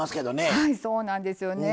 はいそうなんですよね。